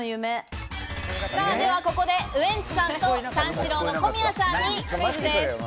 では、ここでウエンツさんと三四郎の小宮さんにクイズです。